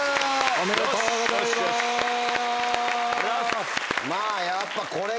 ありがとうございます！